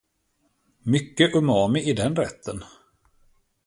Mycket umami i den rätten.